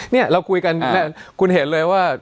นี่เราคุยกันคุณเห็นเลยว่า